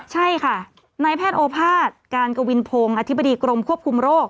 ใช่ค่ะนายแพทย์โอภาษย์การกวินพงศ์อธิบดีกรมควบคุมโรค